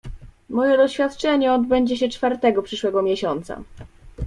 "Moje doświadczenie odbędzie się czwartego przyszłego miesiąca."